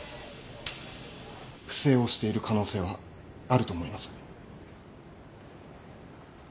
不正をしている可能性はあると思います。